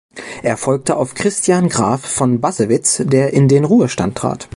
Er folgte auf Christian Graf von Bassewitz, der in den Ruhestand trat.